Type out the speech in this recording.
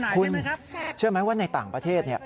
คุณเชื่อไหมว่าในต่างประเทศ